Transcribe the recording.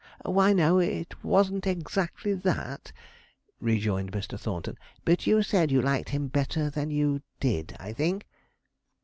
'Why, no; it wasn't exactly that,' rejoined Mr. Thornton, 'but you said you liked him better than you did, I think?'